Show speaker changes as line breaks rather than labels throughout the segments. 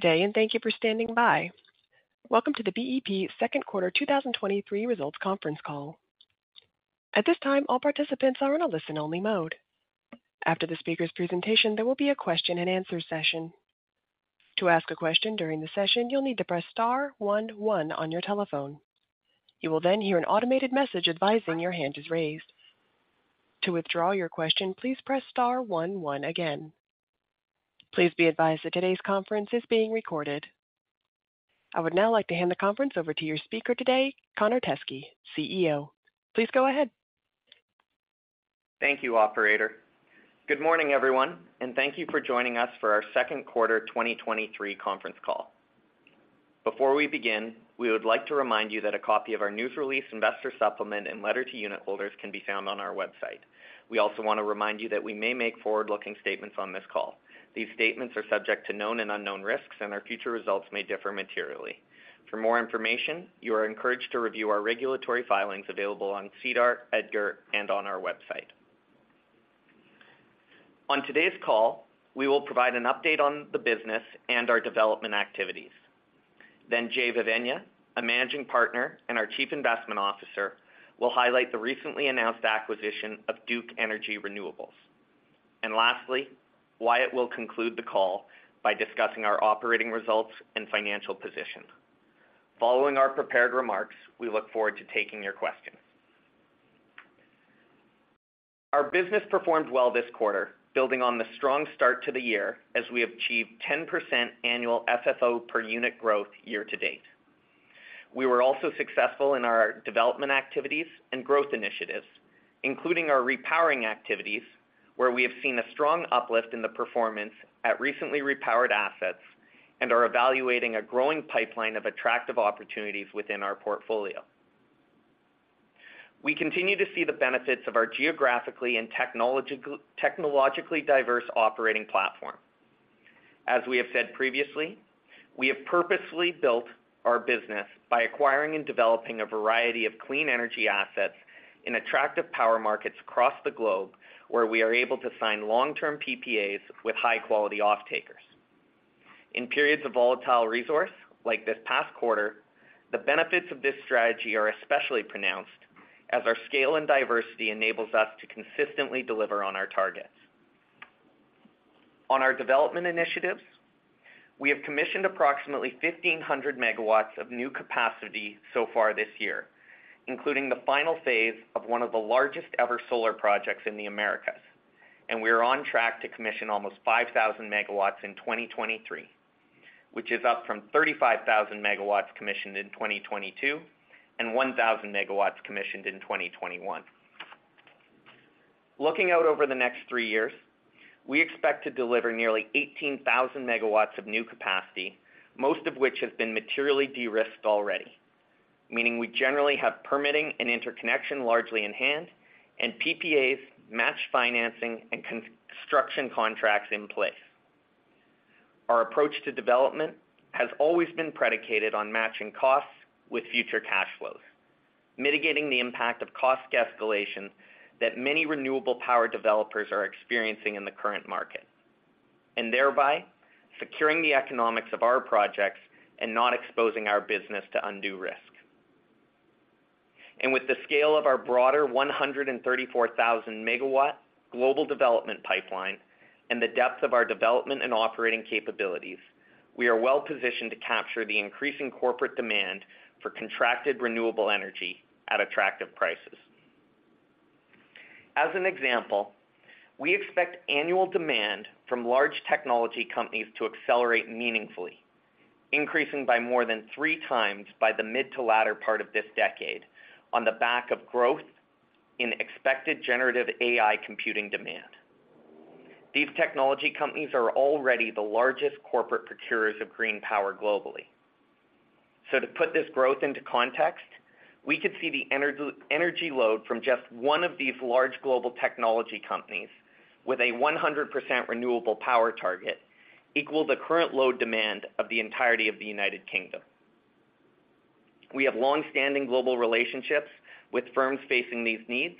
Good day. Thank you for standing by. Welcome to the BEP Second Quarter 2023 Results Conference Call. At this time, all participants are in a listen-only mode. After the speaker's presentation, there will be a question-and-answer session. To ask a question during the session, you'll need to press star one one on your telephone. You will hear an automated message advising your hand is raised. To withdraw your question, please press star one one again. Please be advised that today's conference is being recorded. I would now like to hand the conference over to your speaker today, Connor Teskey, CEO. Please go ahead.
Thank you, operator. Good morning, everyone, and thank you for joining us for our 2Q 2023 conference call. Before we begin, we would like to remind you that a copy of our news release, investor supplement, and letter to unitholders can be found on our website. We also want to remind you that we may make forward-looking statements on this call. These statements are subject to known and unknown risks, and our future results may differ materially. For more information, you are encouraged to review our regulatory filings available on SEDAR, EDGAR, and on our website. On today's call, we will provide an update on the business and our development activities. Jeh Vevaina, a Managing Partner and our Chief Investment Officer, will highlight the recently announced acquisition of Duke Energy Renewables. Lastly, Wyatt will conclude the call by discussing our operating results and financial position. Following our prepared remarks, we look forward to taking your questions. Our business performed well this quarter, building on the strong start to the year as we achieved 10% annual FFO per unit growth year to date. We were also successful in our development activities and growth initiatives, including our repowering activities, where we have seen a strong uplift in the performance at recently repowered assets and are evaluating a growing pipeline of attractive opportunities within our portfolio. We continue to see the benefits of our geographically and technologically diverse operating platform. As we have said previously, we have purposefully built our business by acquiring and developing a variety of clean energy assets in attractive power markets across the globe, where we are able to sign long-term PPAs with high-quality off-takers. In periods of volatile resource, like this past quarter, the benefits of this strategy are especially pronounced as our scale and diversity enables us to consistently deliver on our targets. On our development initiatives, we have commissioned approximately 1,500 MW of new capacity so far this year, including the final phase of one of the largest-ever solar projects in the Americas. We are on track to commission almost 5,000 MW in 2023, which is up from 35,000 MW commissioned in 2022 and 1,000 MW commissioned in 2021. Looking out over the next three years, we expect to deliver nearly 18,000 MW of new capacity, most of which has been materially de-risked already, meaning we generally have permitting and interconnection largely in hand and PPAs, matched financing and construction contracts in place. Our approach to development has always been predicated on matching costs with future cash flows, mitigating the impact of cost escalation that many renewable power developers are experiencing in the current market, and thereby securing the economics of our projects and not exposing our business to undue risk. With the scale of our broader 134,000 MW global development pipeline and the depth of our development and operating capabilities, we are well positioned to capture the increasing corporate demand for contracted renewable energy at attractive prices. As an example, we expect annual demand from large technology companies to accelerate meaningfully, increasing by more than three times by the mid to latter part of this decade on the back of growth in expected generative AI computing demand. These technology companies are already the largest corporate procurers of green power globally. To put this growth into context, we could see the energy load from just one of these large global technology companies with a 100% renewable power target equal the current load demand of the entirety of the United Kingdom. We have long-standing global relationships with firms facing these needs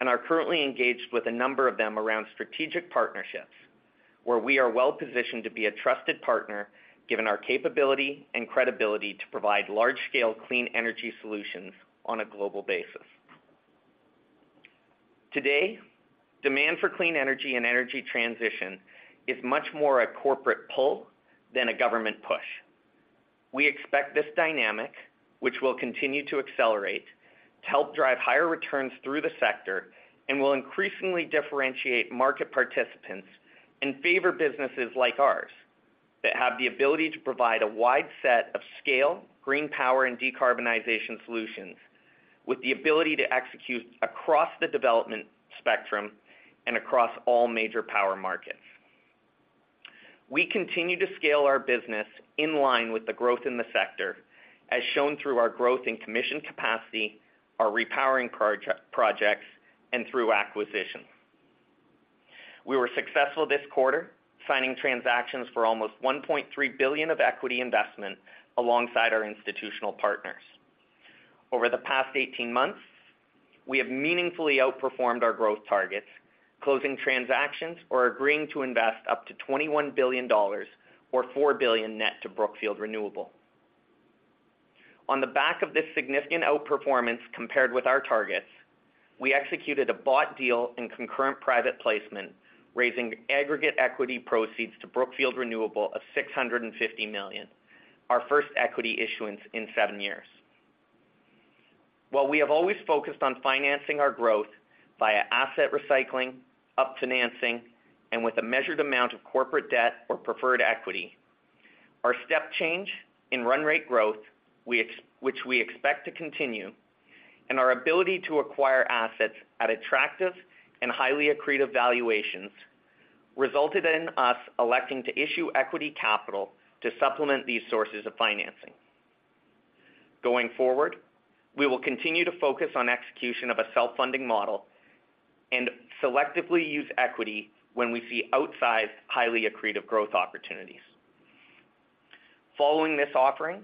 and are currently engaged with a number of them around strategic partnerships, where we are well positioned to be a trusted partner, given our capability and credibility to provide large-scale clean energy solutions on a global basis. Today, demand for clean energy and energy transition is much more a corporate pull than a government push. We expect this dynamic, which will continue to accelerate, to help drive higher returns through the sector and will increasingly differentiate market participants and favor businesses like ours that have the ability to provide a wide set of scale, green power and decarbonization solutions, with the ability to execute across the development spectrum and across all major power markets. We continue to scale our business in line with the growth in the sector, as shown through our growth in commissioned capacity, our repowering projects, and through acquisitions. We were successful this quarter, signing transactions for almost $1.3 billion of equity investment alongside our institutional partners. Over the past 18 months, we have meaningfully outperformed our growth targets, closing transactions or agreeing to invest up to $21 billion or $4 billion net to Brookfield Renewable. On the back of this significant outperformance compared with our targets, we executed a bought deal in concurrent private placement, raising aggregate equity proceeds to Brookfield Renewable of $650 million, our first equity issuance in seven years. While we have always focused on financing our growth via asset recycling, up financing, and with a measured amount of corporate debt or preferred equity, our step change in run rate growth, which we expect to continue, and our ability to acquire assets at attractive and highly accretive valuations, resulted in us electing to issue equity capital to supplement these sources of financing. Going forward, we will continue to focus on execution of a self-funding model and selectively use equity when we see outsized, highly accretive growth opportunities. Following this offering,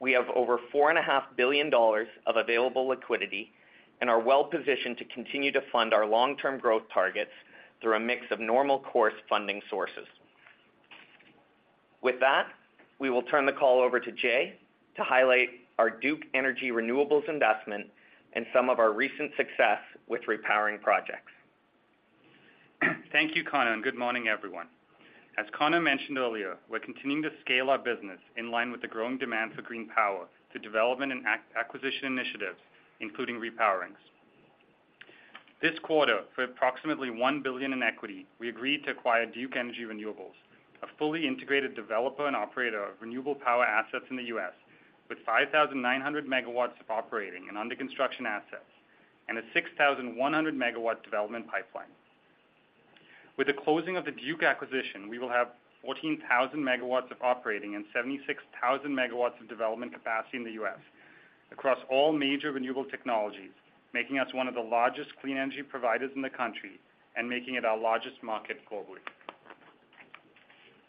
we have over $4.5 billion of available liquidity and are well-positioned to continue to fund our long-term growth targets through a mix of normal course funding sources. With that, we will turn the call over to Jeh to highlight our Duke Energy Renewables investment and some of our recent success with repowering projects.
Thank you, Connor. Good morning, everyone. As Connor mentioned earlier, we're continuing to scale our business in line with the growing demand for green power to development and acquisition initiatives, including repowerings. This quarter, for approximately $1 billion in equity, we agreed to acquire Duke Energy Renewables, a fully integrated developer and operator of renewable power assets in the U.S., with 5,900 MWs of operating and under construction assets, and a 6,100 MW development pipeline. With the closing of the Duke acquisition, we will have 14,000 MW of operating and 76,000 MW of development capacity in the U.S. across all major renewable technologies, making us one of the largest clean energy providers in the country and making it our largest market globally.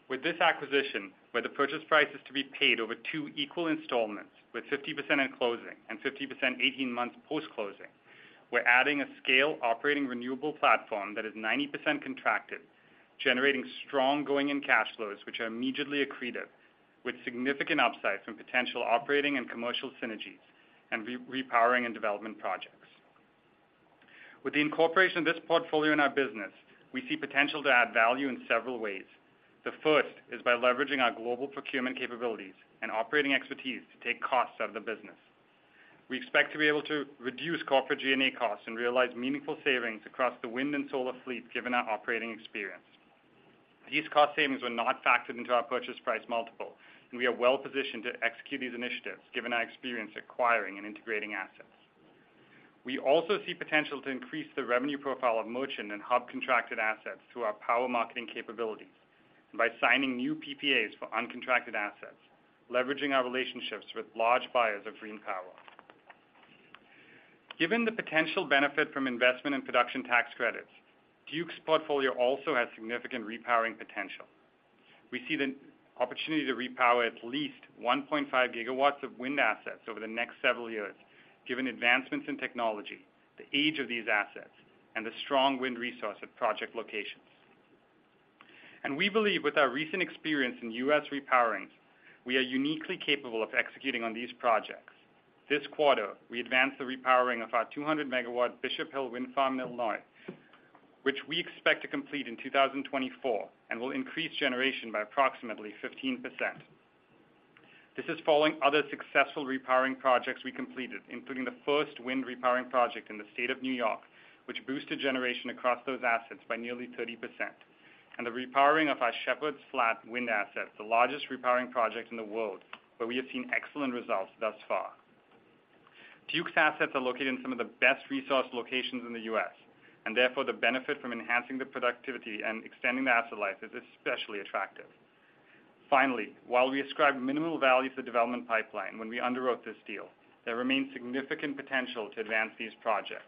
With this acquisition, where the purchase price is to be paid over two equal installments, with 50% in closing and 50% 18 months post-closing, we're adding a scale operating renewable platform that is 90% contracted, generating strong going and cash flows, which are immediately accretive, with significant upside from potential operating and commercial synergies and repowering and development projects. With the incorporation of this portfolio in our business, we see potential to add value in several ways. The first is by leveraging our global procurement capabilities and operating expertise to take costs out of the business. We expect to be able to reduce corporate G&A costs and realize meaningful savings across the wind and solar fleet, given our operating experience. These cost savings were not factored into our purchase price multiple, and we are well-positioned to execute these initiatives, given our experience acquiring and integrating assets. We also see potential to increase the revenue profile of merchant and hub-contracted assets through our power marketing capabilities and by signing new PPAs for uncontracted assets, leveraging our relationships with large buyers of green power. Given the potential benefit from Investment Tax Credit and Production Tax Credit, Duke's portfolio also has significant repowering potential. We see the opportunity to repower at least 1.5 GW of wind assets over the next several years, given advancements in technology, the age of these assets, and the strong wind resource at project locations. We believe with our recent experience in U.S. repowerings, we are uniquely capable of executing on these projects. This quarter, we advanced the repowering of our 200 MW Bishop Hill Wind Farm in Illinois, which we expect to complete in 2024, and will increase generation by approximately 15%. This is following other successful repowering projects we completed, including the first wind repowering project in the state of New York, which boosted generation across those assets by nearly 30%, and the repowering of our Shepherds Flat wind asset, the largest repowering project in the world, where we have seen excellent results thus far. Duke's assets are located in some of the best resource locations in the U.S., and therefore, the benefit from enhancing the productivity and extending the asset life is especially attractive. Finally, while we ascribed minimal value to the development pipeline when we underwrote this deal, there remains significant potential to advance these projects.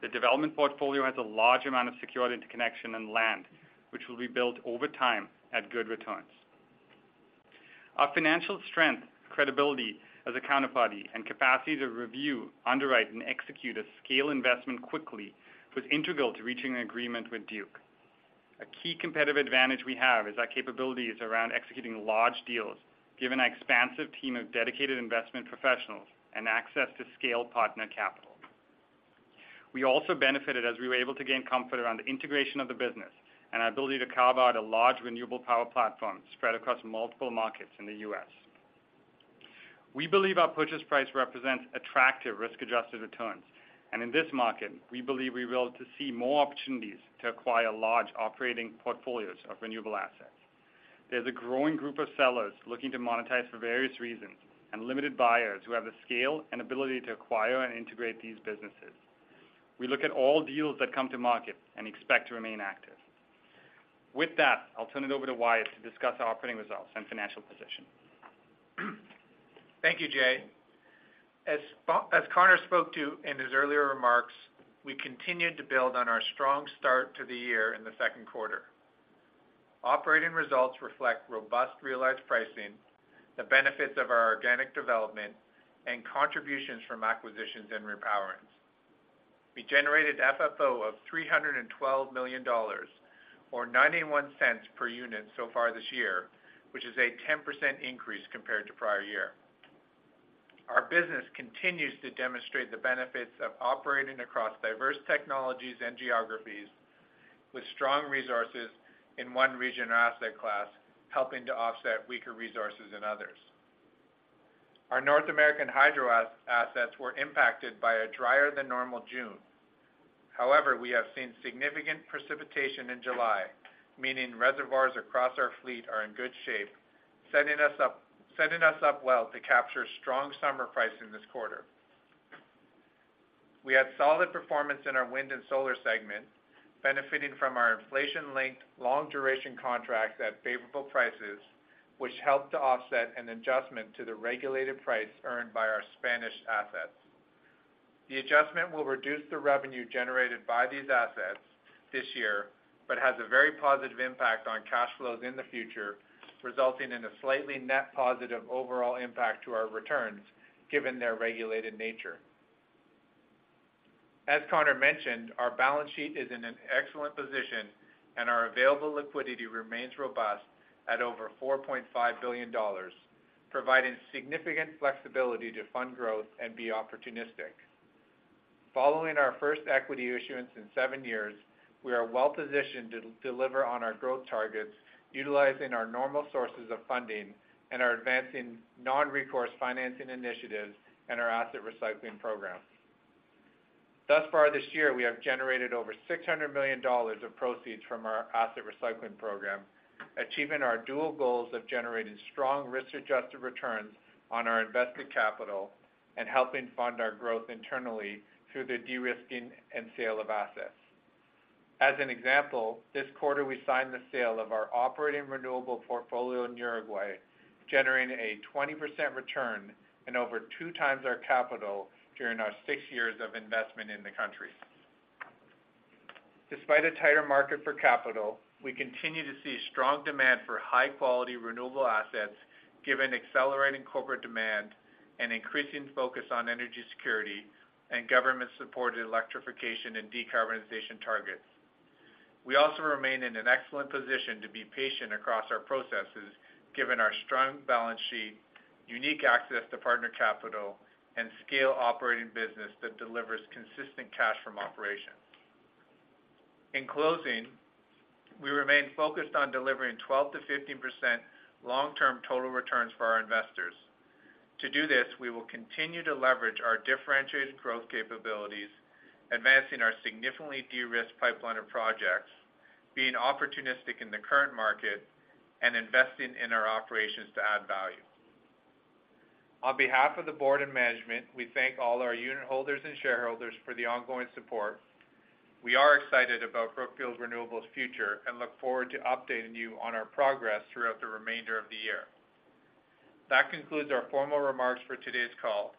The development portfolio has a large amount of secured interconnection and land, which will be built over time at good returns. Our financial strength, credibility as a counterparty, and capacity to review, underwrite, and execute a scale investment quickly, was integral to reaching an agreement with Duke. A key competitive advantage we have is our capabilities around executing large deals, given our expansive team of dedicated investment professionals and access to scale partner capital. We also benefited as we were able to gain comfort around the integration of the business and our ability to carve out a large renewable power platform spread across multiple markets in the U.S. We believe our purchase price represents attractive risk-adjusted returns. In this market, we believe we will to see more opportunities to acquire large operating portfolios of renewable assets. There's a growing group of sellers looking to monetize for various reasons. Limited buyers who have the scale and ability to acquire and integrate these businesses. We look at all deals that come to market and expect to remain active. With that, I'll turn it over to Wyatt to discuss our operating results and financial position.
Thank you, Jeh. As Connor spoke to in his earlier remarks, we continued to build on our strong start to the year in the second quarter. Operating results reflect robust realized pricing, the benefits of our organic development, and contributions from acquisitions and repowerings. We generated FFO of $312 million, or $0.91 per unit so far this year, which is a 10% increase compared to prior year. Our business continues to demonstrate the benefits of operating across diverse technologies and geographies, with strong resources in one region or asset class helping to offset weaker resources in others. Our North American hydro assets were impacted by a drier-than-normal June. However, we have seen significant precipitation in July, meaning reservoirs across our fleet are in good shape, setting us up well to capture strong summer pricing this quarter. We had solid performance in our wind and solar segment, benefiting from our inflation-linked long-duration contracts at favorable prices, which helped to offset an adjustment to the regulated price earned by our Spanish assets. The adjustment will reduce the revenue generated by these assets this year, but has a very positive impact on cash flows in the future, resulting in a slightly net positive overall impact to our returns, given their regulated nature. As Connor mentioned, our balance sheet is in an excellent position, and our available liquidity remains robust at over $4.5 billion, providing significant flexibility to fund growth and be opportunistic. Following our first equity issuance in seven years, we are well-positioned to deliver on our growth targets, utilizing our normal sources of funding and are advancing non-recourse financing initiatives and our asset recycling program. Thus far this year, we have generated over $600 million of proceeds from our asset recycling program, achieving our dual goals of generating strong risk-adjusted returns on our invested capital and helping fund our growth internally through the de-risking and sale of assets. As an example, this quarter, we signed the sale of our operating renewable portfolio in Uruguay, generating a 20% return and over 2x our capital during our six years of investment in the country. Despite a tighter market for capital, we continue to see strong demand for high-quality renewable assets, given accelerating corporate demand and increasing focus on energy security and government-supported electrification and decarbonization targets. We also remain in an excellent position to be patient across our processes, given our strong balance sheet, unique access to partner capital, and scale operating business that delivers consistent cash from operations. In closing, we remain focused on delivering 12%-15% long-term total returns for our investors. To do this, we will continue to leverage our differentiated growth capabilities, advancing our significantly de-risked pipeline of projects, being opportunistic in the current market, and investing in our operations to add value. On behalf of the board and management, we thank all our unitholders and shareholders for the ongoing support. We are excited about Brookfield Renewable's future and look forward to updating you on our progress throughout the remainder of the year. That concludes our formal remarks for today's call.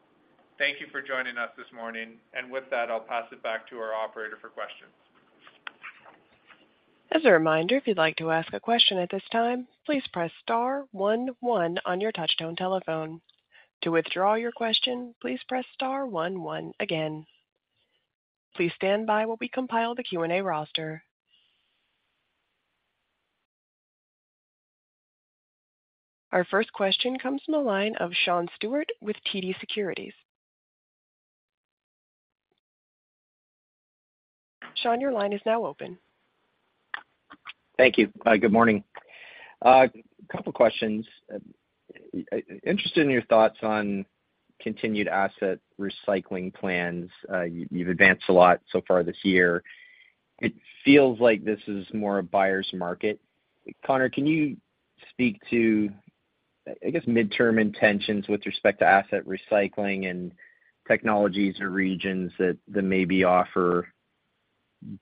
Thank you for joining us this morning. With that, I'll pass it back to our operator for questions.
As a reminder, if you'd like to ask a question at this time, please press star one, one on your touchtone telephone. To withdraw your question, please press star one, one again. Please stand by while we compile the Q&A roster. Our first question comes from the line of Sean Steuart with TD Securities. Sean, your line is now open.
Thank you. Good morning. A couple questions. Interested in your thoughts on continued asset recycling plans. You've advanced a lot so far this year. It feels like this is more a buyer's market. Connor, can you speak to, I guess, midterm intentions with respect to asset recycling and technologies or regions that maybe offer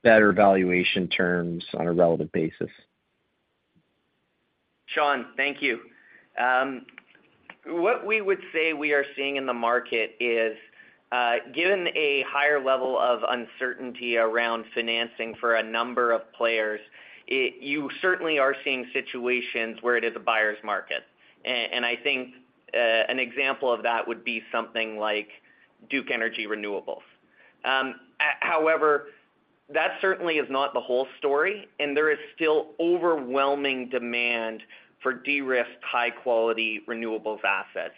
better valuation terms on a relative basis?
Sean, thank you. What we would say we are seeing in the market is, given a higher level of uncertainty around financing for a number of players, you certainly are seeing situations where it is a buyer's market. I think an example of that would be something like Duke Energy Renewables. However, that certainly is not the whole story, and there is still overwhelming demand for de-risked, high-quality renewables assets.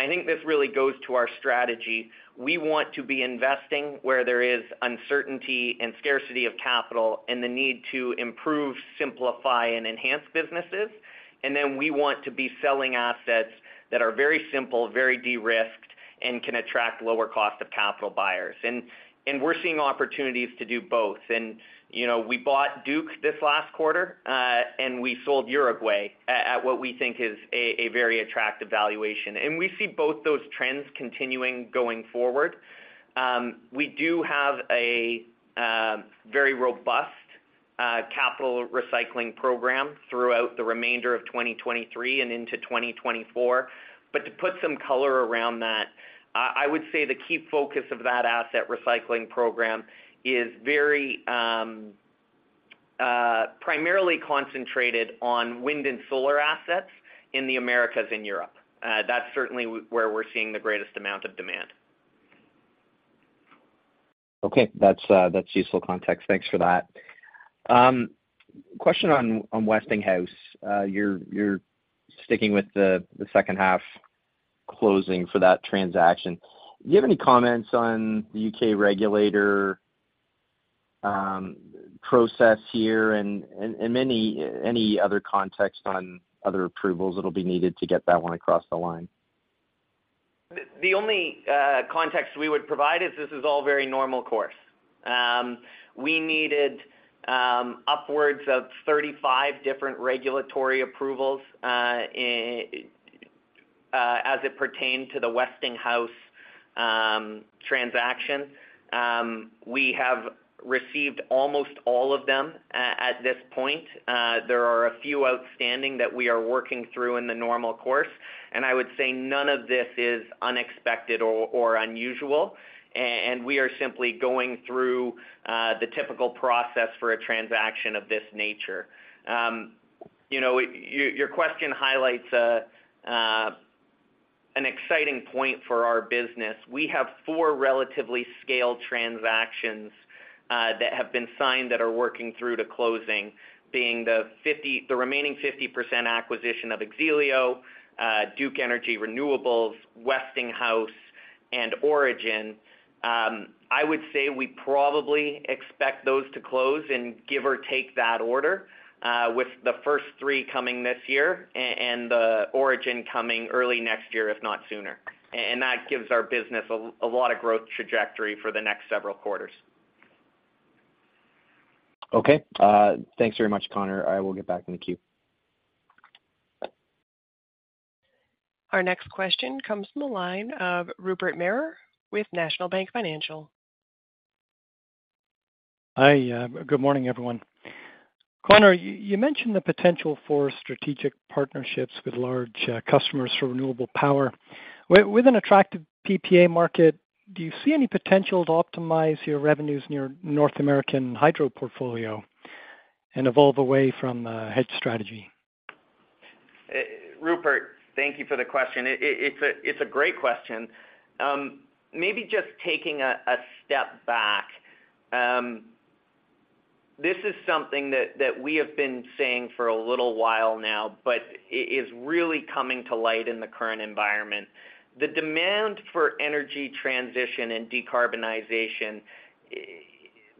I think this really goes to our strategy. We want to be investing where there is uncertainty and scarcity of capital and the need to improve, simplify, and enhance businesses. Then we want to be selling assets that are very simple, very de-risked, and can attract lower cost of capital buyers. We're seeing opportunities to do both. You know, we bought Duke this last quarter, and we sold Uruguay at what we think is a very attractive valuation. We see both those trends continuing going forward. We do have a very robust capital recycling program throughout the remainder of 2023 and into 2024. To put some color around that, I would say the key focus of that asset recycling program is very primarily concentrated on wind and solar assets in the Americas and Europe. That's certainly where we're seeing the greatest amount of demand.
Okay, that's useful context. Thanks for that. Question on, on Westinghouse. You're, you're sticking with the, the second half closing for that transaction. Do you have any comments on the U.K. regulator, process here and any other context on other approvals that'll be needed to get that one across the line?
The, the only context we would provide is this is all very normal course. We needed upwards of 35 different regulatory approvals in as it pertained to the Westinghouse transaction. We have received almost all of them at this point. There are a few outstanding that we are working through in the normal course, and I would say none of this is unexpected or unusual. We are simply going through the typical process for a transaction of this nature. You know, your question highlights a an exciting point for our business. We have four relatively scaled transactions that have been signed, that are working through to closing, being the 50, the remaining 50% acquisition of X-ELIO, Duke Energy Renewables, Westinghouse, and Origin. I would say we probably expect those to close and give or take that order, with the first three coming this year and the Origin coming early next year, if not sooner. That gives our business a lot of growth trajectory for the next several quarters.
Okay. Thanks very much, Connor. I will get back in the queue.
Our next question comes from the line of Rupert Merer with National Bank Financial.
Hi, good morning, everyone. Connor, you, you mentioned the potential for strategic partnerships with large customers for renewable power. With an attractive PPA market, do you see any potential to optimize your revenues in your North American Hydro portfolio and evolve away from hedge strategy?
Rupert, thank you for the question. It's a, it's a great question. Maybe just taking a, a step back, this is something that, that we have been saying for a little while now, but it is really coming to light in the current environment. The demand for energy transition and decarbonization.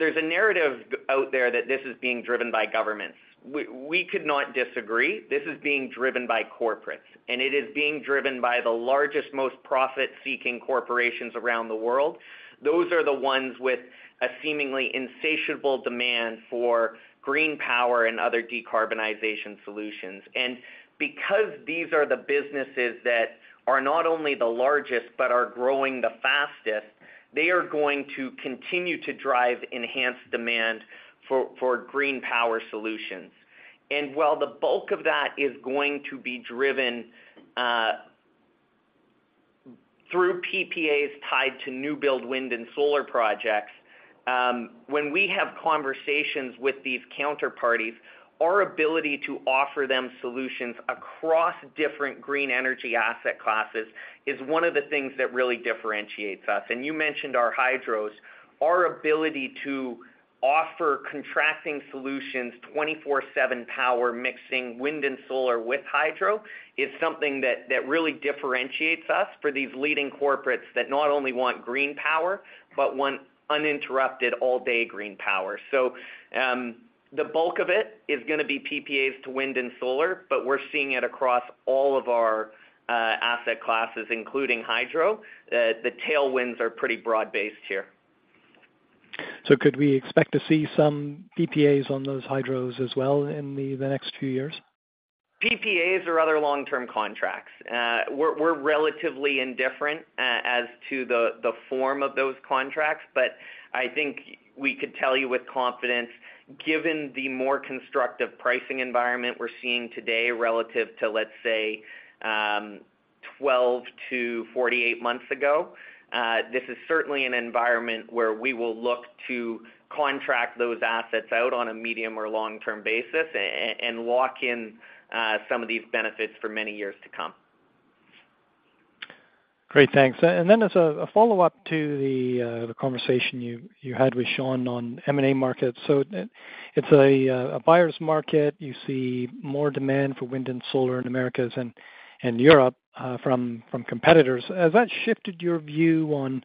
There's a narrative out there that this is being driven by governments. We, we could not disagree. This is being driven by corporates, and it is being driven by the largest, most profit-seeking corporations around the world. Those are the ones with a seemingly insatiable demand for green power and other decarbonization solutions. Because these are the businesses that not only the largest, but are growing the fastest, they are going to continue to drive enhanced demand for green power solutions. While the bulk of that is going to be driven through PPAs tied to new build wind and solar projects, when we have conversations with these counterparties, our ability to offer them solutions across different green energy asset classes is one of the things that really differentiates us. You mentioned our hydros. Our ability to offer contracting solutions, 24/7 power, mixing wind and solar with hydro, is something that really differentiates us for these leading corporates that not only want green power, but want uninterrupted all-day green power. The bulk of it is gonna be PPAs to wind and solar, but we're seeing it across all of our asset classes, including hydro. The tailwinds are pretty broad-based here.
Could we expect to see some PPAs on those hydros as well in the next few years?
PPAs or other long-term contracts? We're, we're relatively indifferent as to the form of those contracts, but I think we could tell you with confidence, given the more constructive pricing environment we're seeing today relative to, let's say, 12-48 months ago, this is certainly an environment where we will look to contract those assets out on a medium or long-term basis and lock in some of these benefits for many years to come.
Great, thanks. As a follow-up to the conversation you had with Sean on M&A markets. It's a buyer's market. You see more demand for wind and solar in Americas and Europe from competitors. Has that shifted your view on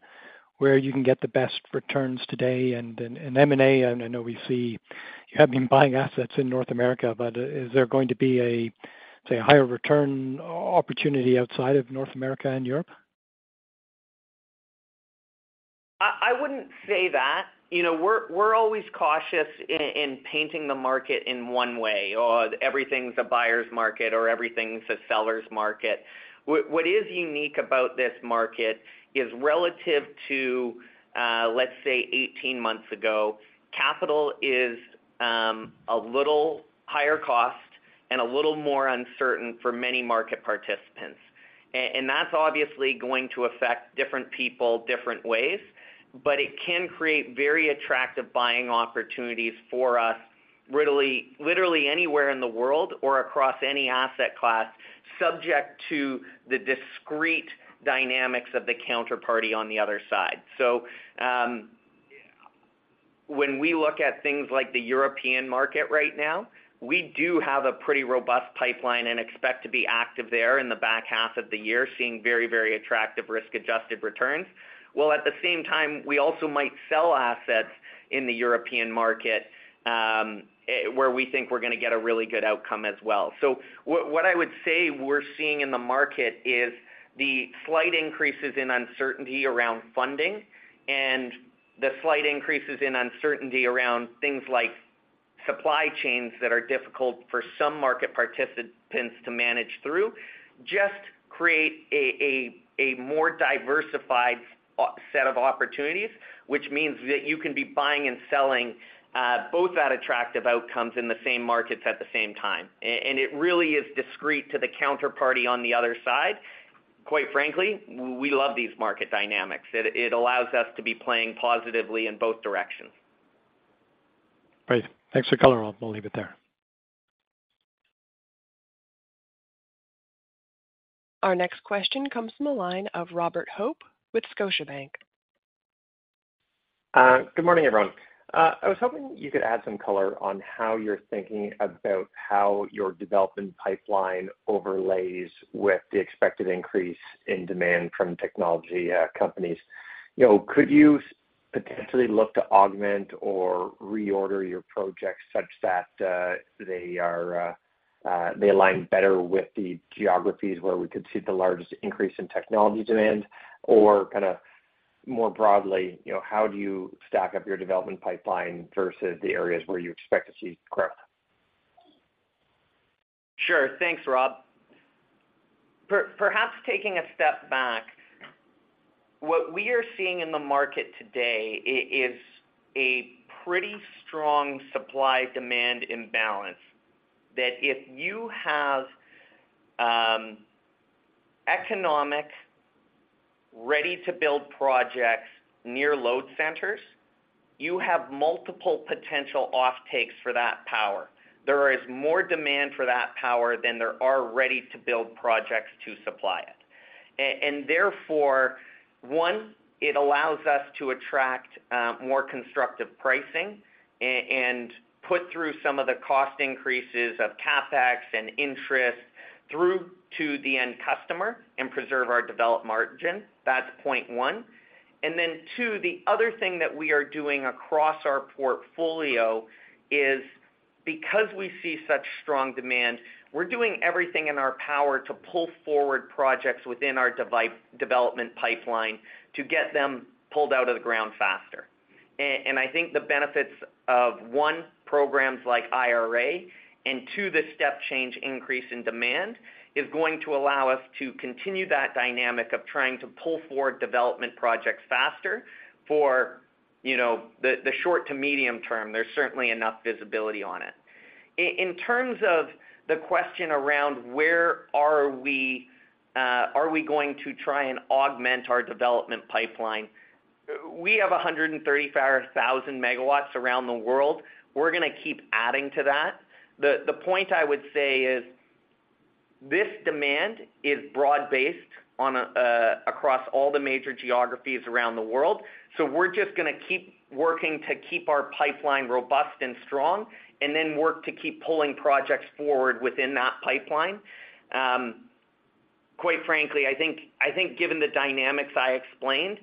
where you can get the best returns today and in M&A? I know we see you have been buying assets in North America, but is there going to be a, say, higher return opportunity outside of North America and Europe?
I wouldn't say that. You know, we're, we're always cautious in, in painting the market in one way, or everything's a buyer's market, or everything's a seller's market. What, what is unique about this market is relative to, let's say, 18 months ago, capital is a little higher cost. And a little more uncertain for many market participants. That's obviously going to affect different people, different ways, but it can create very attractive buying opportunities for us, literally, literally anywhere in the world or across any asset class, subject to the discrete dynamics of the counterparty on the other side. When we look at things like the European market right now, we do have a pretty robust pipeline and expect to be active there in the back half of the year, seeing very, very attractive risk-adjusted returns. While at the same time, we also might sell assets in the European market, where we think we're going to get a really good outcome as well. What I would say we're seeing in the market is the slight increases in uncertainty around funding and the slight increases in uncertainty around things like supply chains that are difficult for some market participants to manage through, just create a more diversified set of opportunities, which means that you can be buying and selling, both at attractive outcomes in the same markets at the same time. It really is discrete to the counterparty on the other side. Quite frankly, we love these market dynamics. It, it allows us to be playing positively in both directions.
Great. Thanks for color. I'll, we'll leave it there.
Our next question comes from the line of Robert Hope with Scotiabank.
Good morning, everyone. I was hoping you could add some color on how you're thinking about how your development pipeline overlays with the expected increase in demand from technology companies. You know, could you potentially look to augment or reorder your projects such that they are, they align better with the geographies where we could see the largest increase in technology demand, or kind of more broadly, you know, how do you stack up your development pipeline versus the areas where you expect to see growth?
Sure. Thanks, Rob. Perhaps taking a step back, what we are seeing in the market today is a pretty strong supply-demand imbalance, that if you have, economic, ready-to-build projects near load centers, you have multiple potential offtakes for that power. There is more demand for that power than there are ready-to-build projects to supply it. Therefore, one, it allows us to attract more constructive pricing and put through some of the cost increases of CapEx and interest through to the end customer and preserve our developed margin. That's point one. Then two, the other thing that we are doing across our portfolio is because we see such strong demand, we're doing everything in our power to pull forward projects within our development pipeline to get them pulled out of the ground faster. I think the benefits of, one, programs like IRA, and two, the step change increase in demand, is going to allow us to continue that dynamic of trying to pull forward development projects faster for, you know, the short to medium term. There's certainly enough visibility on it. In terms of the question around where are we going to try and augment our development pipeline? We have 135,000 MW around the world. We're going to keep adding to that. The point I would say is, this demand is broad-based on across all the major geographies around the world. We're just going to keep working to keep our pipeline robust and strong, and then work to keep pulling projects forward within that pipeline. Quite frankly, I think given the dynamics I explained,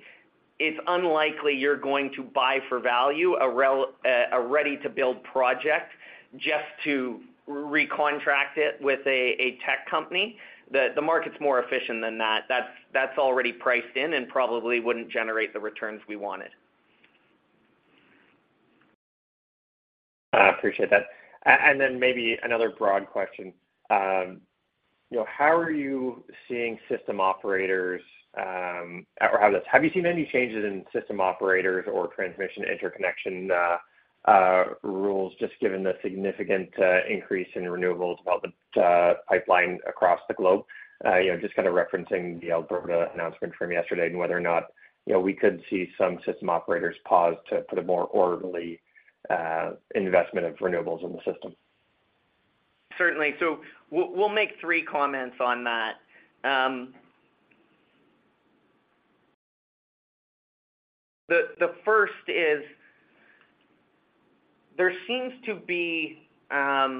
it's unlikely you're going to buy for value, a ready-to-build project just to recontract it with a tech company. The market's more efficient than that. That's already priced in and probably wouldn't generate the returns we wanted.
I appreciate that. Then maybe another broad question. You know, have you seen any changes in system operators or transmission interconnection rules, just given the significant increase in renewables development pipeline across the globe? You know, just kind of referencing the Alberta announcement from yesterday and whether or not, you know, we could see some system operators pause for the more orderly investment of renewables in the system.
Certainly. We'll, we'll make three comments on that. The first is, there seems to be a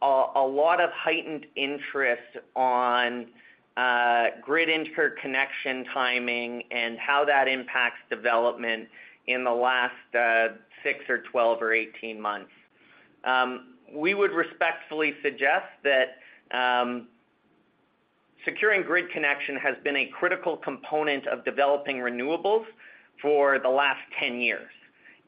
lot of heightened interest on grid interconnection timing and how that impacts development in the last six or 12 or 18 months. We would respectfully suggest that securing grid connection has been a critical component of developing renewables for the last 10 years.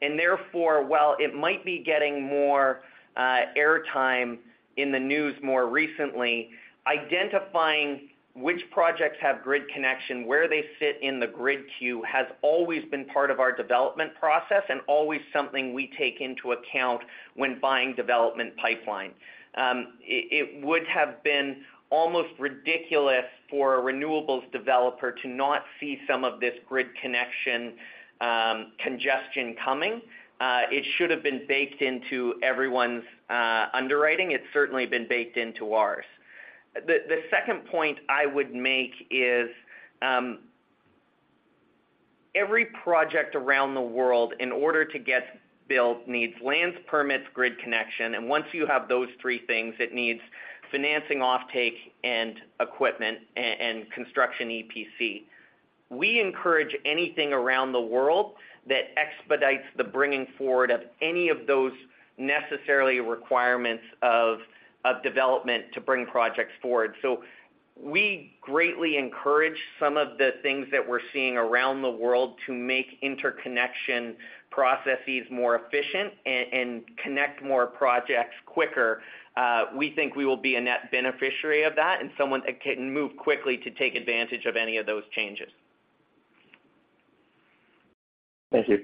Therefore, while it might be getting more airtime in the news more recently, identifying which projects have grid connection, where they sit in the grid queue, has always been part of our development process and always something we take into account when buying development pipeline. It would have been almost ridiculous for a renewables developer to not see some of this grid connection congestion coming. It should have been baked into everyone's underwriting. It's certainly been baked into ours. The second point I would make is, every project around the world, in order to get built, needs lands, permits, grid connection, and once you have those three things, it needs financing, offtake, and equipment, and construction EPC. We encourage anything around the world that expedites the bringing forward of any of those necessarily requirements of development to bring projects forward. We greatly encourage some of the things that we're seeing around the world to make interconnection processes more efficient and connect more projects quicker. We think we will be a net beneficiary of that and someone that can move quickly to take advantage of any of those changes.
Thank you.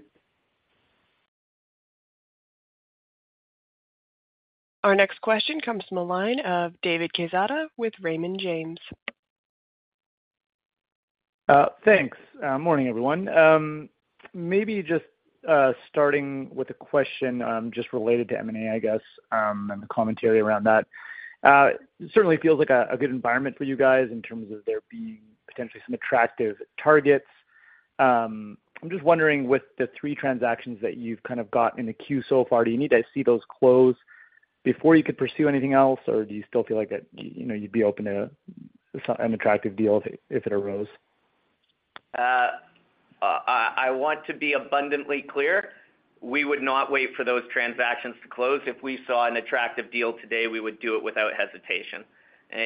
Our next question comes from the line of David Quezada with Raymond James.
Thanks. Morning, everyone. Maybe just starting with a question, just related to M&A, I guess, and the commentary around that. It certainly feels like a good environment for you guys in terms of there being potentially some attractive targets. I'm just wondering, with the three transactions that you've kind of got in the queue so far, do you need to see those close before you could pursue anything else? Or do you still feel like that, you know, you'd be open to an attractive deal if it arose?
I want to be abundantly clear, we would not wait for those transactions to close. If we saw an attractive deal today, we would do it without hesitation.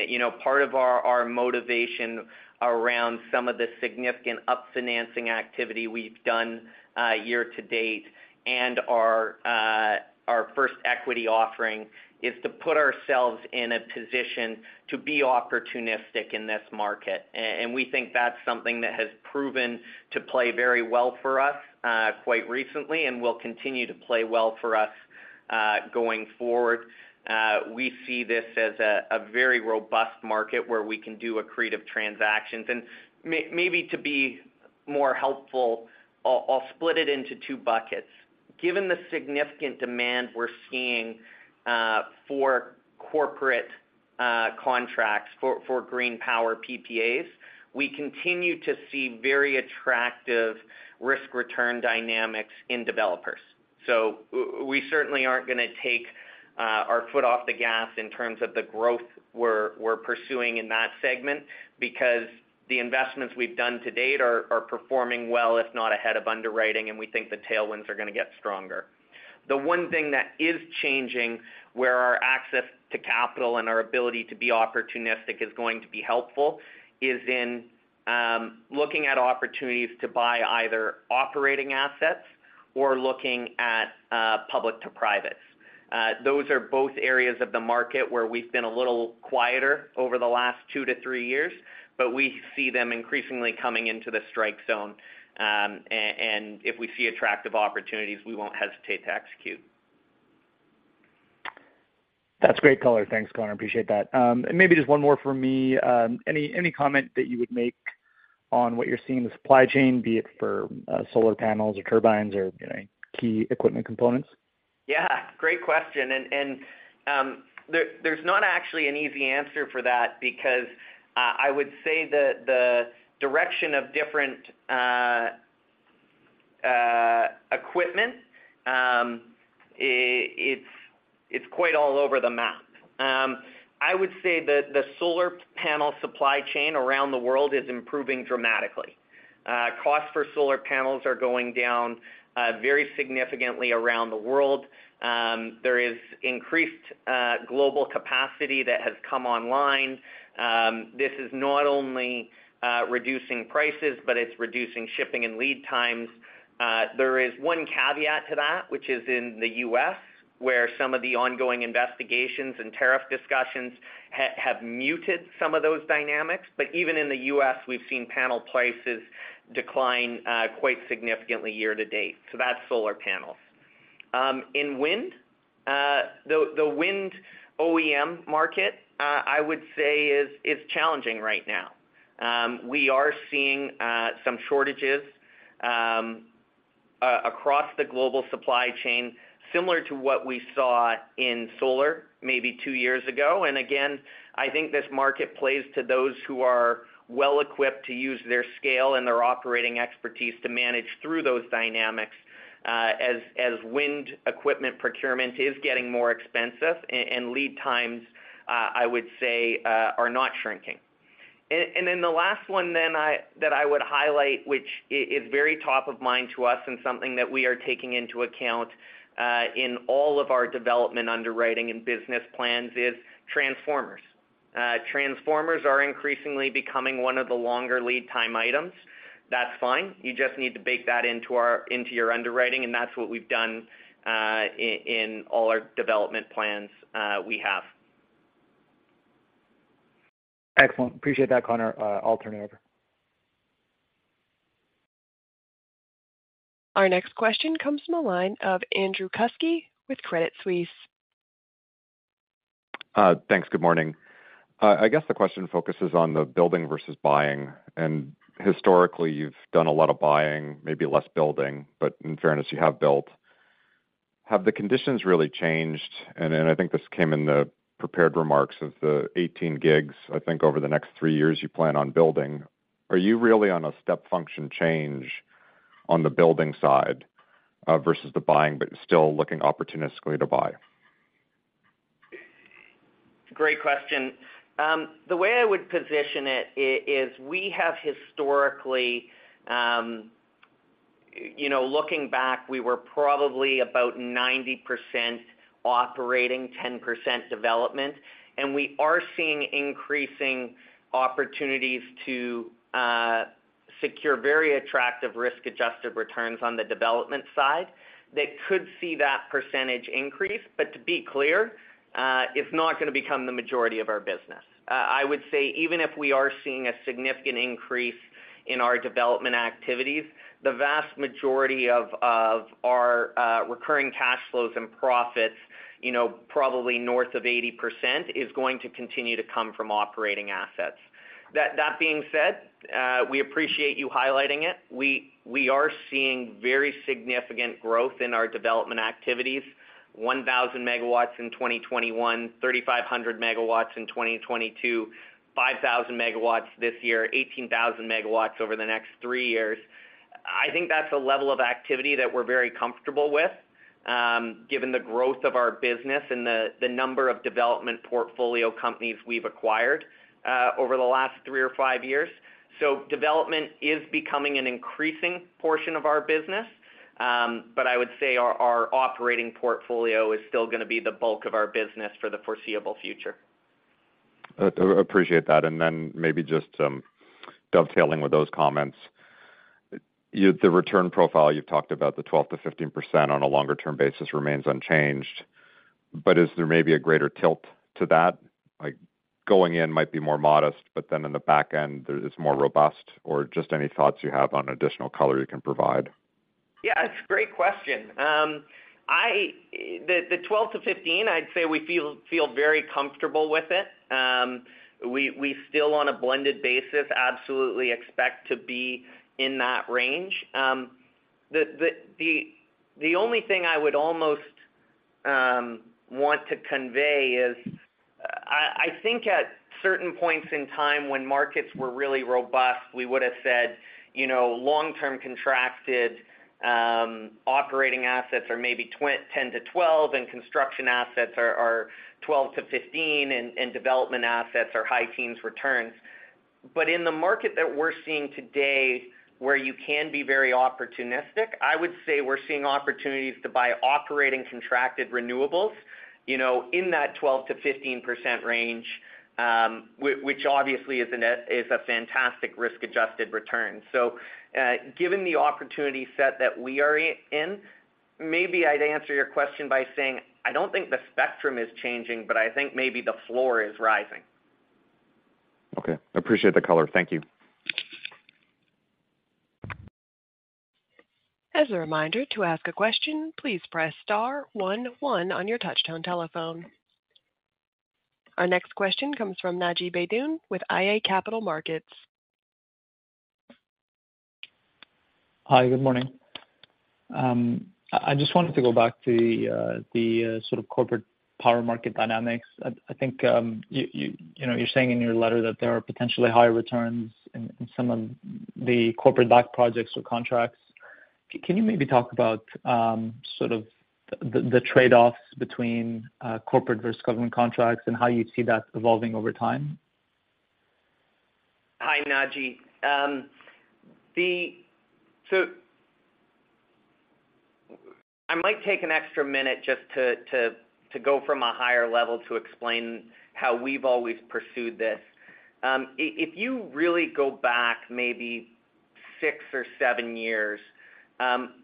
You know, part of our motivation around some of the significant up-financing activity we've done, year to date and our first equity offering, is to put ourselves in a position to be opportunistic in this market. And we think that's something that has proven to play very well for us, quite recently and will continue to play well for us, going forward. We see this as a, a very robust market where we can do accretive transactions. And maybe to be more helpful, I'll split it into two buckets. Given the significant demand we're seeing for corporate contracts, for green power PPAs, we continue to see very attractive risk-return dynamics in developers. We certainly aren't gonna take our foot off the gas in terms of the growth we're pursuing in that segment, because the investments we've done to date are performing well, if not ahead of underwriting, and we think the tailwinds are gonna get stronger. The one thing that is changing, where our access to capital and our ability to be opportunistic is going to be helpful, is in looking at opportunities to buy either operating assets or looking at public to privates. Those are both areas of the market where we've been a little quieter over the last two to three years, but we see them increasingly coming into the strike zone. If we see attractive opportunities, we won't hesitate to execute.
That's great color. Thanks, Connor, appreciate that. Maybe just one more from me. Any comment that you would make on what you're seeing in the supply chain, be it for solar panels or turbines or, you know, any key equipment components?
Yeah, great question. There, there's not actually an easy answer for that because I would say the, the direction of different equipment, it's quite all over the map. I would say that the solar panel supply chain around the world is improving dramatically. Costs for solar panels are going down very significantly around the world. There is increased global capacity that has come online. This is not only reducing prices, but it's reducing shipping and lead times. There is one caveat to that, which is in the U.S., where some of the ongoing investigations and tariff discussions have muted some of those dynamics. Even in the U.S., we've seen panel prices decline quite significantly year to date. That's solar panels. In wind, the wind OEM market, I would say, is challenging right now. We are seeing some shortages across the global supply chain, similar to what we saw in solar maybe two years ago. Again, I think this market plays to those who are well-equipped to use their scale and their operating expertise to manage through those dynamics, as wind equipment procurement is getting more expensive, and lead times, I would say, are not shrinking. Then the last one that I would highlight, which is very top of mind to us and something that we are taking into account in all of our development, underwriting, and business plans, is transformers. Transformers are increasingly becoming one of the longer lead time items. That's fine. You just need to bake that into our into your underwriting, and that's what we've done, in all our development plans, we have.
Excellent. Appreciate that, Connor. I'll turn it over.
Our next question comes from the line of Andrew Kuske with Credit Suisse.
Thanks. Good morning. I guess the question focuses on the building versus buying. Historically, you've done a lot of buying, maybe less building, but in fairness, you have built. Have the conditions really changed? Then I think this came in the prepared remarks of the 18 gigs, I think, over the next three years you plan on building. Are you really on a step function change on the building side versus the buying, but still looking opportunistically to buy?
Great question. The way I would position it is we have historically, you know, looking back, we were probably about 90% operating, 10% development, and we are seeing increasing opportunities to secure very attractive risk-adjusted returns on the development side. That could see that percentage increase, but to be clear, it's not going to become the majority of our business. I would say even if we are seeing a significant increase in our development activities, the vast majority of, of our recurring cash flows and profits, you know, probably north of 80%, is going to continue to come from operating assets. That being said, we appreciate you highlighting it. We, we are seeing very significant growth in our development activities, 1,000 MW in 2021, 3,500 MW in 2022, 5,000 MW this year, 18,000 MW over the next three years. I think that's a level of activity that we're very comfortable with, given the growth of our business and the, the number of development portfolio companies we've acquired, over the last three or five years. Development is becoming an increasing portion of our business, but I would say our, our operating portfolio is still going to be the bulk of our business for the foreseeable future.
Appreciate that. Then maybe just, dovetailing with those comments. The return profile, you've talked about the 12%-15% on a longer-term basis remains unchanged, but is there maybe a greater tilt to that? Like, going in might be more modest, but then in the back end, there's more robust, or just any thoughts you have on additional color you can provide.
Yeah, it's a great question. The 12-15, I'd say we feel very comfortable with it. We, we still, on a blended basis, absolutely expect to be in that range. The only thing I would almost want to convey is, I think at certain points in time when markets were really robust, we would have said, you know, long-term contracted, operating assets are maybe 10-12, and construction assets are, are 12-15, and, and development assets are high teens returns. In the market that we're seeing today, where you can be very opportunistic, I would say we're seeing opportunities to buy operating contracted renewables, you know, in that 12%-15% range, which obviously is a fantastic risk-adjusted return. Given the opportunity set that we are in, maybe I'd answer your question by saying, I don't think the spectrum is changing, but I think maybe the floor is rising.
Okay, appreciate the color. Thank you.
As a reminder, to ask a question, please press star one one on your touchtone telephone. Our next question comes from Naji Baydoun with iA Capital Markets.
Hi, good morning. I just wanted to go back to the sort of corporate power market dynamics. I, I think, you know, you're saying in your letter that there are potentially higher returns in some of the corporate backed projects or contracts. Can you maybe talk about sort of the trade-offs between corporate versus government contracts and how you see that evolving over time?
Hi, Naji. I might take an extra minute just to go from a higher level to explain how we've always pursued this. If you really go back maybe six or seven years,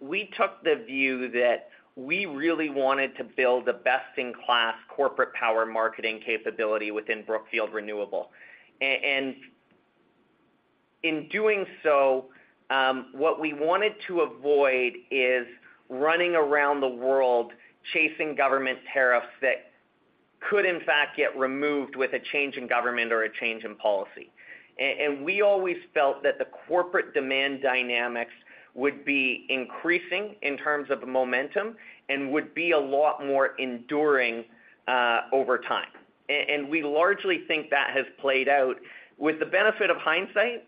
we took the view that we really wanted to build a best-in-class corporate power marketing capability within Brookfield Renewable. In doing so, what we wanted to avoid is running around the world chasing government tariffs that could, in fact, get removed with a change in government or a change in policy. We always felt that the corporate demand dynamics would be increasing in terms of momentum and would be a lot more enduring over time. We largely think that has played out. With the benefit of hindsight,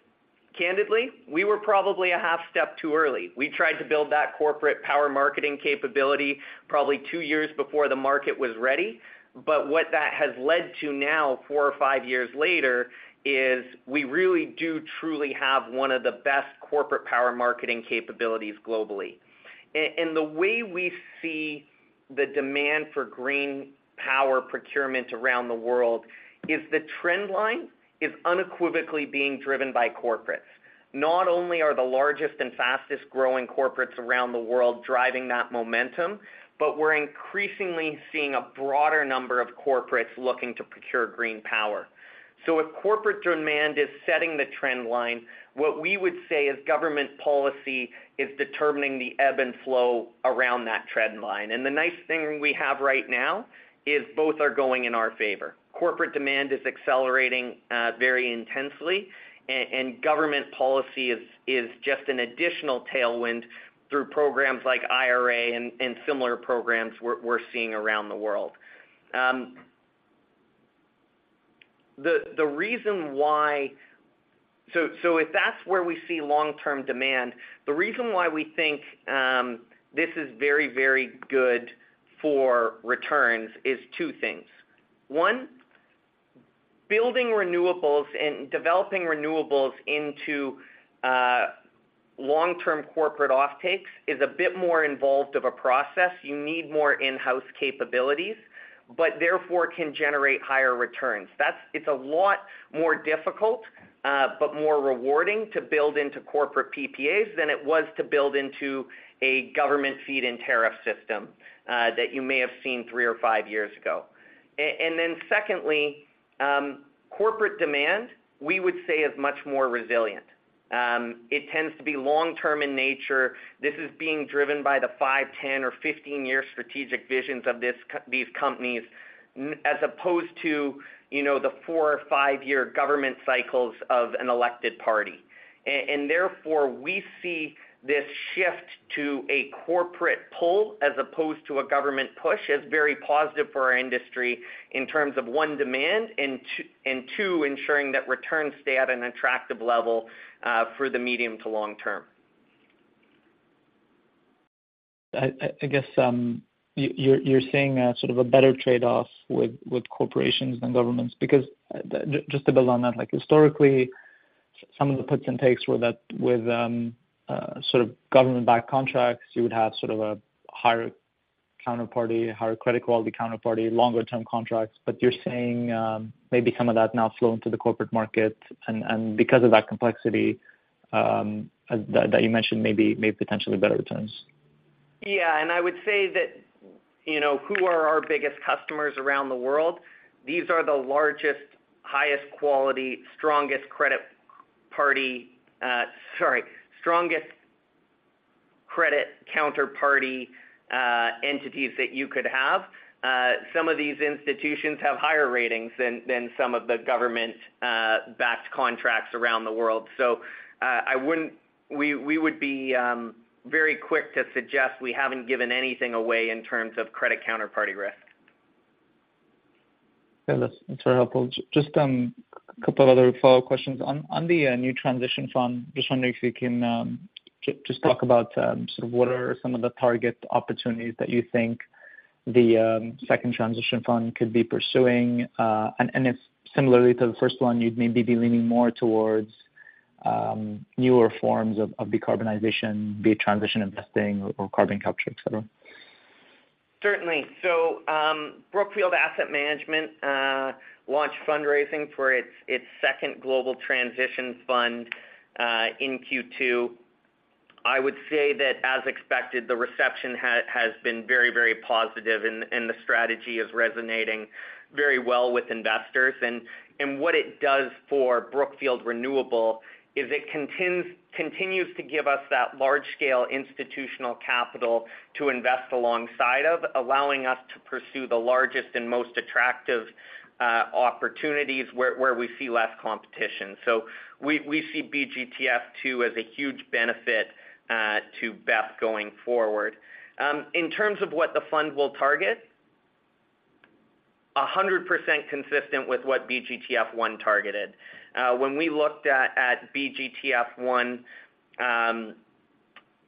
candidly, we were probably a half step too early. We tried to build that corporate power marketing capability probably two years before the market was ready, but what that has led to now, four or five years later, is we really do truly have one of the best corporate power marketing capabilities globally. The way we see the demand for green power procurement around the world is the trend line is unequivocally being driven by corporates. Not only are the largest and fastest-growing corporates around the world driving that momentum, but we're increasingly seeing a broader number of corporates looking to procure green power. If corporate demand is setting the trend line, what we would say is government policy is determining the ebb and flow around that trend line. The nice thing we have right now is both are going in our favor. Corporate demand is accelerating, very intensely, and government policy is just an additional tailwind through programs like IRA and similar programs we're seeing around the world. The reason if that's where we see long-term demand, the reason why we think this is very, very good for returns is two things. One, building renewables and developing renewables into long-term corporate offtakes is a bit more involved of a process. You need more in-house capabilities, but therefore can generate higher returns. It's a lot more difficult, but more rewarding to build into corporate PPAs than it was to build into a government feed-in tariff system that you may have seen three or five years ago. Then secondly, corporate demand, we would say, is much more resilient. It tends to be long-term in nature. This is being driven by the five, 10, or 15-year strategic visions of these companies, as opposed to, you know, the four- or five-year government cycles of an elected party. Therefore, we see this shift to a corporate pull, as opposed to a government push, as very positive for our industry in terms of, one, demand, and two, ensuring that returns stay at an attractive level, for the medium to long term.
I guess, you're, you're seeing a sort of a better trade-off with, with corporations than governments, because just to build on that, like, historically, some of the puts and takes were that with, sort of government-backed contracts, you would have sort of a higher counterparty, higher credit quality counterparty, longer-term contracts. You're saying, maybe some of that now flowing to the corporate market, and, and because of that complexity, that, that you mentioned, maybe may potentially better returns.
Yeah, I would say that, you know, who are our biggest customers around the world? These are the largest, highest quality, strongest credit party. Sorry, strongest credit counterparty, entities that you could have. Some of these institutions have higher ratings than, than some of the government, backed contracts around the world. I wouldn't. We would be very quick to suggest we haven't given anything away in terms of credit counterparty risk.
Yeah, that's very helpful. Just a couple other follow-up questions. On the new Transition Fund, just wondering if you can just talk about sort of what are some of the target opportunities that you think the second Transition Fund could be pursuing? If similarly to the first one, you'd maybe be leaning more towards newer forms of decarbonization, be it transition investing or carbon capture, et cetera.
Certainly. Brookfield Asset Management launched fundraising for its second Global Transition Fund in Q2. I would say that, as expected, the reception has been very, very positive and the strategy is resonating very well with investors. What it does for Brookfield Renewable is it continues to give us that large-scale institutional capital to invest alongside of, allowing us to pursue the largest and most attractive opportunities where we see less competition. We see BGTF II as a huge benefit to BEP going forward. In terms of what the fund will target, 100% consistent with what BGTF I targeted. When we looked at BGTF I,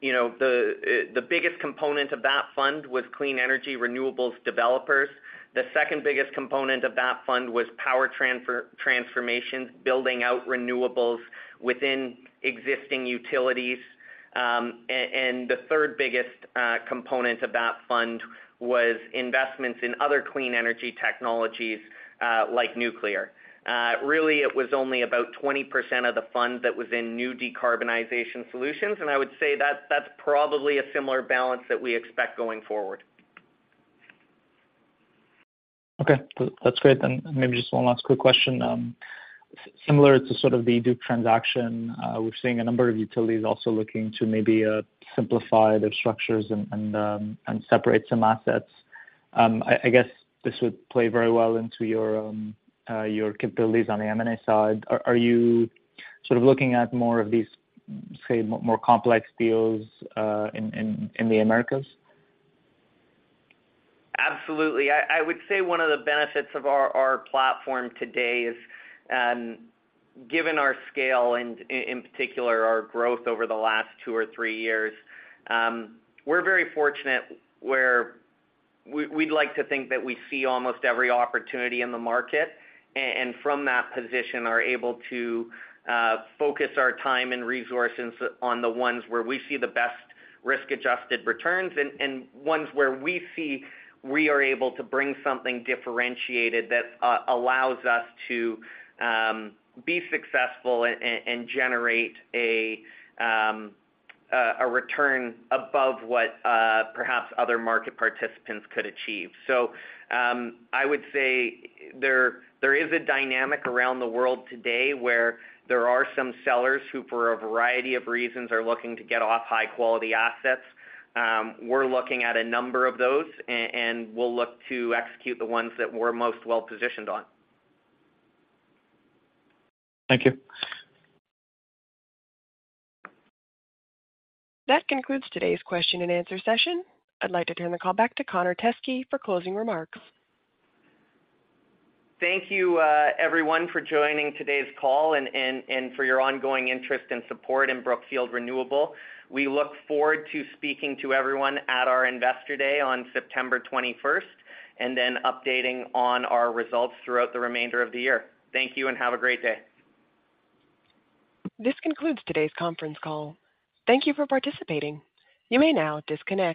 you know, the biggest component of that fund was clean energy renewables developers. The second-biggest component of that fund was power transformations, building out renewables within existing utilities. The third-biggest component of that fund was investments in other clean energy technologies, like nuclear. Really, it was only about 20% of the fund that was in new decarbonization solutions, and I would say that's, that's probably a similar balance that we expect going forward.
Okay, that's great. Maybe just one last quick question. Similar to sort of the Duke transaction, we're seeing a number of utilities also looking to maybe simplify their structures and separate some assets. I guess this would play very well into your capabilities on the M&A side. Are you sort of looking at more of these, say, more complex deals in the Americas?
Absolutely. I would say one of the benefits of our, our platform today is, given our scale and in particular, our growth over the last two or three years, we're very fortunate where we'd like to think that we see almost every opportunity in the market, and from that position, are able to focus our time and resources on the ones where we see the best risk-adjusted returns, and, and ones where we see we are able to bring something differentiated that allows us to be successful and, and generate a return above what perhaps other market participants could achieve. I would say there, there is a dynamic around the world today where there are some sellers who, for a variety of reasons, are looking to get off high-quality assets. We're looking at a number of those, and we'll look to execute the ones that we're most well-positioned on.
Thank you.
That concludes today's question and answer session. I'd like to turn the call back to Connor Teskey for closing remarks.
Thank you, everyone, for joining today's call and for your ongoing interest and support in Brookfield Renewable. We look forward to speaking to everyone at our Investor Day on September 21st, then updating on our results throughout the remainder of the year. Thank you and have a great day.
This concludes today's conference call. Thank you for participating. You may now disconnect.